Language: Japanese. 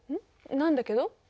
なんだけど？